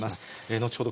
後ほど